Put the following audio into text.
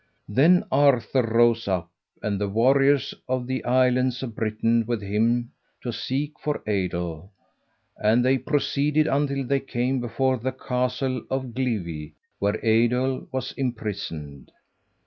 Then Arthur rose up, and the warriors of the Islands of Britain with him, to seek for Eidoel; and they proceeded until they came before the castle of Glivi, where Eidoel was imprisoned.